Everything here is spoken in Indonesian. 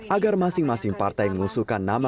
agar masing masing partai mengusulkan nama